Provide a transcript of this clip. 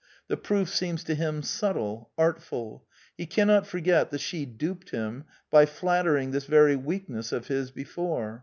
The proof seems to him subtle, artful: he cannot forget that she duped him by flattering this very weakness of his before.